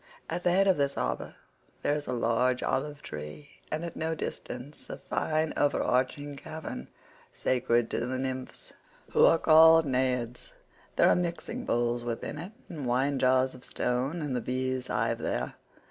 At the head of this harbour there is a large olive tree, and at no great distance a fine overarching cavern sacred to the nymphs who are called Naiads.113 There are mixing bowls within it and wine jars of stone, and the bees hive there.